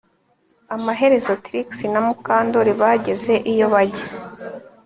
Amaherezo Trix na Mukandoli bageze iyo bajya